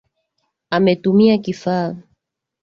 .Ametumia kifaa